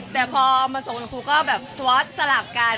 แต่พอมาส่งคุณครูก็แบบสวอตสลับกัน